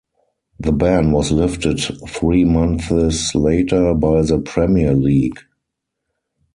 The ban was lifted three months later by the Premier League.